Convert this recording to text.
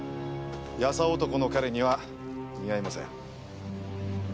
優男の彼には似合いません。